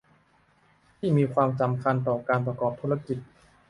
ที่มีความสำคัญต่อการประกอบธุรกิจ